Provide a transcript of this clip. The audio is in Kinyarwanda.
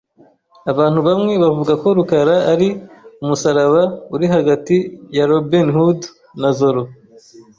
Abantu bamwe bavuga ko rukaraari umusaraba uri hagati ya Robin Hood na Zorro.